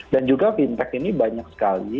dan juga fintech ini banyak sekali